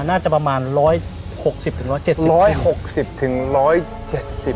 น่าจะประมาณ๑๖๐๑๗๐ปี